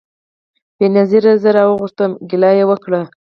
بېنظیري زه راوغوښتم ګیله یې وکړه